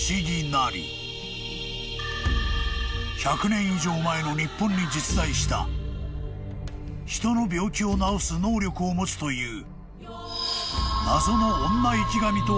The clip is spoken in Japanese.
［１００年以上前の日本に実在した人の病気を治す能力を持つという］